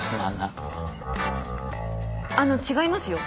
あのう違いますよ。